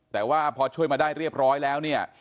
แต่ว่าพอช่วยมาได้เรียบร้อยแล้วเนี่ย